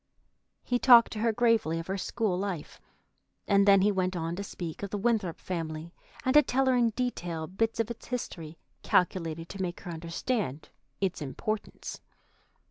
He talked to her gravely of her school life, and then he went on to speak of the Winthrop family, and to tell her in detail bits of its history calculated to make her understand its importance.